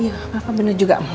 iya papa bener juga mau telfon ya